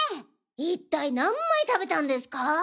一体何枚食べたんですか？